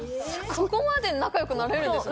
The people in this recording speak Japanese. そこまで仲よくなれるんですね